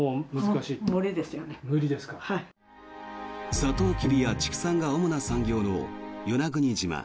サトウキビや畜産が主な産業の与那国島。